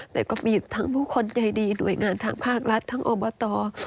แต่ก็มีทั้งผู้คนใจดีหน่วยงานทางภาครัฐทั้งอบต